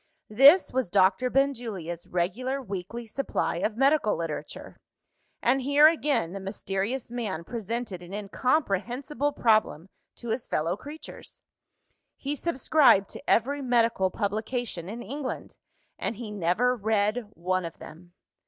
This was Doctor Benjulia's regular weekly supply of medical literature; and here, again, the mysterious man presented an incomprehensible problem to his fellow creatures. He subscribed to every medical publication in England and he never read one of them!